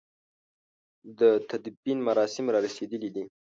د تدفين مراسم را رسېدلي دي.